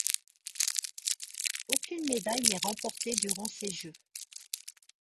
Aucune médaille n'est remportée durant ces Jeux.